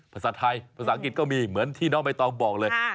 ภาษาไทยภาษาอังกฤษก็มีเหมือนที่น้องใบตองบอกเลย